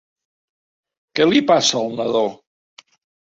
Què li passa al nadó?